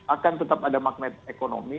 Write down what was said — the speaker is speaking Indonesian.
akan tetap ada magnet ekonomi